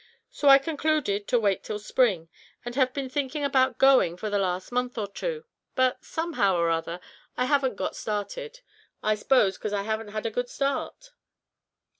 So I concluded to wait till spring, and have been thinking about going for the last month or two, but, somehow or other I haven't got started; I suppose 'cause I haven't had a good start."